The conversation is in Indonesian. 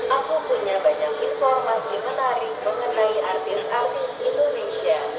aku punya banyak informasi menarik mengenai artis artis indonesia